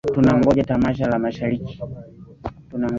Tunangoja tamasha la mashahiri